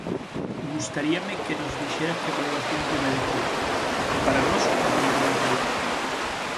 Gustaríame que nos dixera que valoración lle merece; para nós, unha tomadura de pelo.